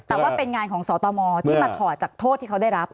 แต่ว่าเป็นงานของสตมที่มาถอดจากโทษที่เขาได้รับ